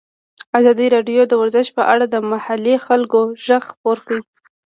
ازادي راډیو د ورزش په اړه د محلي خلکو غږ خپور کړی.